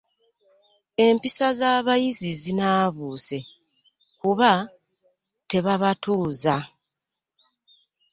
Empisa z'abayizi zinaabuuse kuba tababatuuza!!